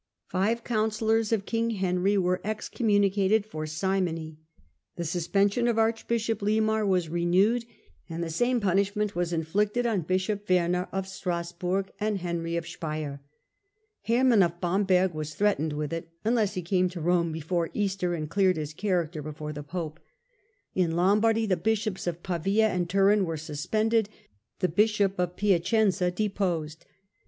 / Five counsellors of king Henry were excommunicated / for simony. The suspension of archbishop Liemar Digitized by VjOOQIC HiLDEBRAND PoPE 10 1 was renewed, and the same punishment was inflicted Synod In ^^ Bishop Wemer of Strasburg and Henry of Borne, 1075 Speier. Herman of Bamberg was threatened with it, unless he came to Rome before Easter and cleared his character before the Pope. In Lombardy, the bishops of Pavia and Turin were suspended, the bishop of Piacenza deposed.